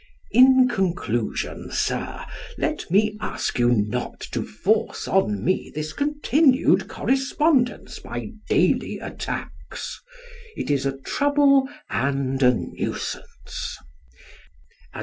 In conclusion, Sir, let me ask you not to force on me this continued correspondence by daily attacks. It is a trouble and a nuisance.